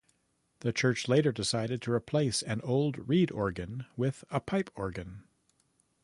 The church later decided to replace an old reed organ with a pipe organ.